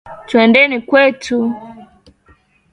Twendeni kwetu